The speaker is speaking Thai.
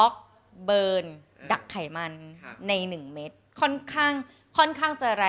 สวัสดีค่ะ